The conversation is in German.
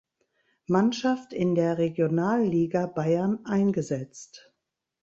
Mannschaft in der Regionalliga Bayern eingesetzt.